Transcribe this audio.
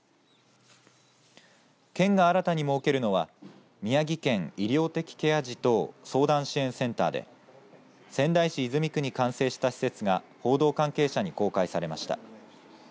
県が新たに設けるのは宮城県医療的ケア児等相談支援センターで仙台市泉区に完成した施設が報道関係者に公開されました。